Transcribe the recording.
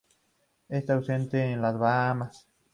Está ausente en las Bahamas.